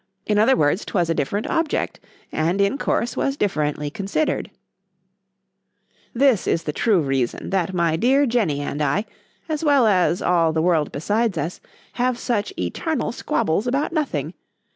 —In other words, 'twas a different object, and in course was differently considered: This is the true reason, that my dear Jenny and I, as well as all the world besides us, have such eternal squabbles about nothing.